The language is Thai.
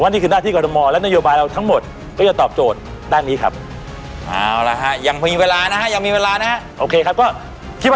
เพราะว่านี้คือหน้าที่กรมตม